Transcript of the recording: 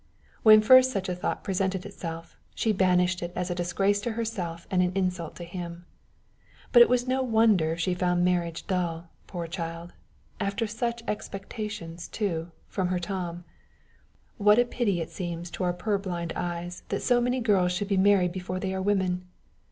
When first such a thought presented itself, she banished it as a disgrace to herself and an insult to him. But it was no wonder if she found marriage dull, poor child! after such expectations, too, from her Tom! What a pity it seems to our purblind eyes that so many girls should be married before they are women!